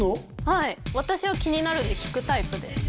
はい私は気になるんで聞くタイプです